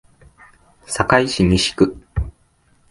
堺市西区